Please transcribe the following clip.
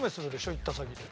行った先で。